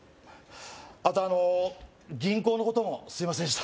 あとあの銀行のこともすいませんでした